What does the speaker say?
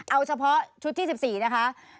เอาเฉพาะชุดที่๑๔นะคะ